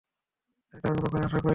এটা আমি কখনোই আশা করিনি।